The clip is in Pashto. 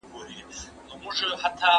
د افرادو شخصیت او فکر د بدلون سره اغیز لري.